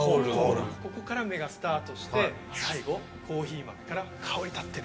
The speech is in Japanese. ここから目がスタートして最後コーヒー豆から香り立ってる。